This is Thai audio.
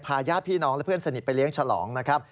ญาติพี่น้องและเพื่อนสนิทไปเลี้ยงฉลองนะครับ